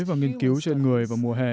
và nghiên cứu trên người vào mùa hè